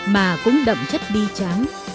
mà cũng đậm chất bi tráng